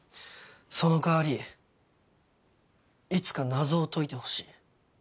その代わりいつか謎を解いてほしい。